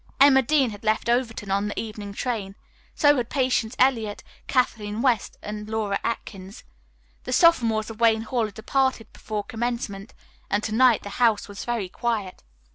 Emma Dean had left Overton on the evening train. So had Patience Eliot, Kathleen West and Laura Atkins. The sophomores of Wayne Hall had departed before commencement, and to night the house was very quiet.